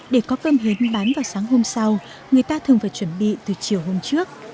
để có cơm hến bán vào sáng hôm sau người ta thường phải chuẩn bị từ chiều hôm trước